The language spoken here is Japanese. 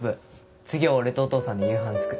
次は俺とお父さんで夕飯作る。